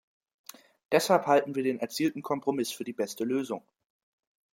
Deshalb halten wir den erzielten Kompromiss für die beste Lösung.